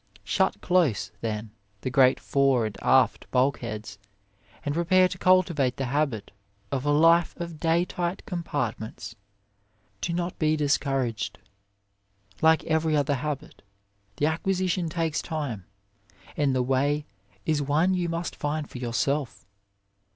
Shut close, then, the great fore and aft bulk heads, and prepare to cultivate the habit of a life of Day Tight Compartments. Do not be dis couraged, like every other habit, the acquisition takes time, and the way is one you must find for yourselves.